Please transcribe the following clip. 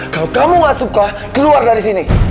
kalau kamu gak suka keluar dari sini